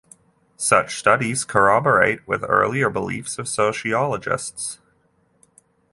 Such studies corroborate with earlier beliefs of sociologists.